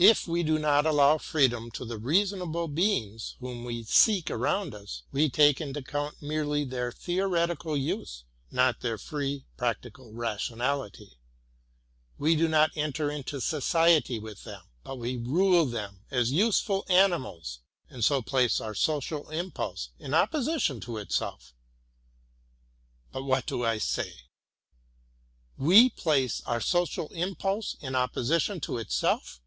If we do not allow freedom to the reasonable beings whom we seek around us, we take into account merely their theoretical use, not their free practical rationality ; we do not enter into Society with them, but we rule them as useful animals, and so place our social impulse in opposition to itself. But what do I say'? — we place our social impulse in opposition to itself?